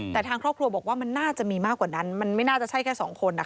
แต่ทางครอบครัวบอกว่ามันน่าจะมีมากกว่านั้นมันไม่น่าจะใช่แค่สองคน